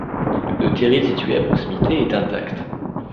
Le terril situé à proximité est intact.